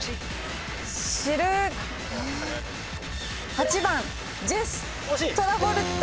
８番ジェス・トラボルタ。